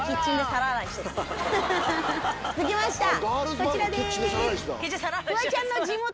こちらです。